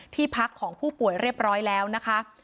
ที่พักของผู้ป่วยเรียบร้อยแล้วนะคะ